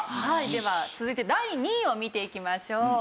では続いて第２位を見ていきましょう。